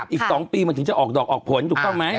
อีก๒ปีมันถึงจะออกดอกออกผลถูกต้องไหม